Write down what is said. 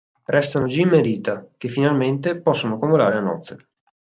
Restano Jim e Rita che, finalmente, possono convolare a nozze.